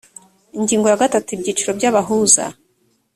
ingingo ya gatatu ibyiciro byabahuza